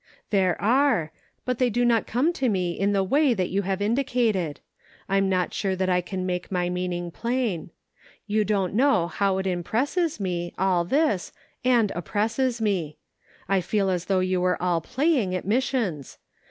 "There are, but they do not come to me in the way that you have indicated. I'm not sure that I can make my meaning plain. You don't know how it impresses me, all this, and oppresses me. I feel as though you were all playing at missions.